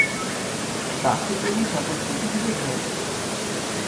বাকী প্রভু সকল বুদ্ধি দিবে ভয় নাই।